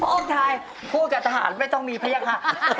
พระองค์ชายพวกกับทหารไม่ต้องมีพระเจ้าค่ะ